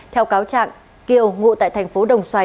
theo cáo trạng kiều ngụ tại thành phố đồng xoài